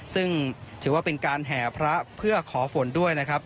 ซึ่งถือว่าเป็นการแห่พระเพื่อขอฝนด้วยนะครับ